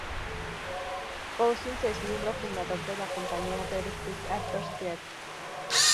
Cousins es miembro fundador de la compañía "Red Stitch Actors Theatre".